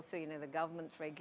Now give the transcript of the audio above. ada peraturan dari pemerintah